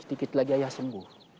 sedikit lagi ayah sembuh